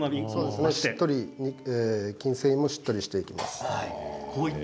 しっとり均整にしっとりしていきます。